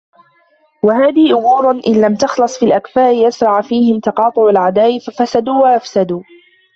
وَهَذِهِ أُمُورٌ إنْ لَمْ تَخْلُصْ فِي الْأَكْفَاءِ أَسْرَعَ فِيهِمْ تَقَاطُعُ الْأَعْدَاءِ فَفَسَدُوا وَأَفْسَدُوا